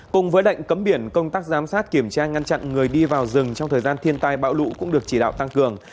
cùng với lệnh cấm biển công tác giám sát kiểm tra ngăn chặn người đi vào rừng trong thời gian thiên tai bão lũ cũng được chỉ đạo tăng cường